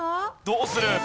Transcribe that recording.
どうする？